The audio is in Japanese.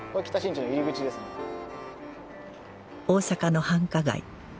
大阪の繁華街